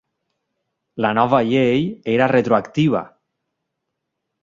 La nova llei era retroactiva.